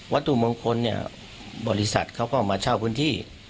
ตุมงคลเนี่ยบริษัทเขาก็มาเช่าพื้นที่